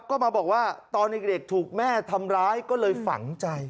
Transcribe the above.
ก็มาบอกว่าตอนเด็กถูกแม่ทำร้ายก็เลยฝังใจ